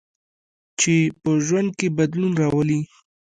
چې په ژوند کې بدلون راولي.